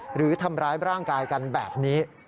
หรือทำร้ายร่างกายกันแบบนี้